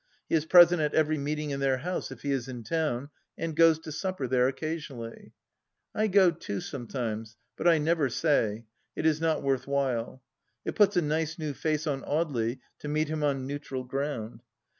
He is present at every meeting in their house if he is in town, and goes to supper there occasionally. I go too sometimes, but I never say ; it is not worth while. It puts a nice new face on Audely to meet him on neutral ground.